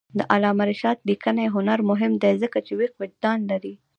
د علامه رشاد لیکنی هنر مهم دی ځکه چې ویښ وجدان لري.